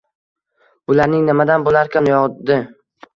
Bularning nimada bo‘larkan yodi!